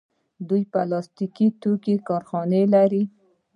دوی د پلاستیکي توکو کارخانې لري.